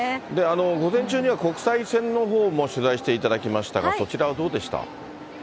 午前中には国際線のほうも取材していただきましたが、そちらはどうでした？